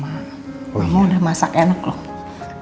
mau udah masak enak loh